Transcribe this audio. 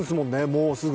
もうすぐ。